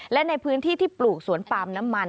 และในพื้นที่ที่ปลูกสวนปาล์มน้ำมัน